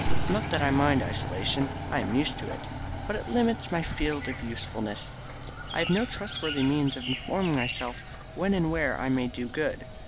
Not that I mind isolation: I am used to it. But it limits my field of usefulness. I have no trustworthy means of informing myself when and where I may do good.